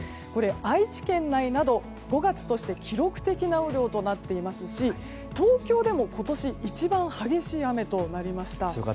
愛知県内など５月として記録的な雨量となっていますし東京でも今年一番激しい雨となりました。